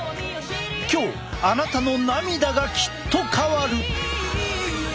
今日あなたの涙がきっと変わる！